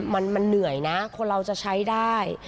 มันเหนื่อยนะคนเราจะใช้ได้